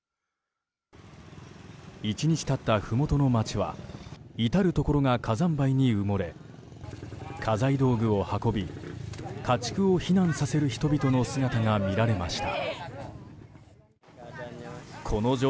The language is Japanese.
１日経った、ふもとの町は至るところが火山灰に埋もれ家財道具を運び家畜を避難させる人々の姿が見られました。